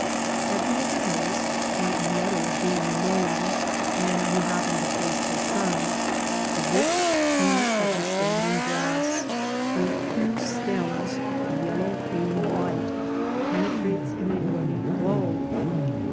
Have you ever noticed, when a meadow is being mown, and you happen to face the sun, the rich hue of the standing grass, through whose stems the yellow green light penetrates in a brilliant glow?